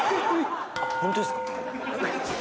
ホントですか？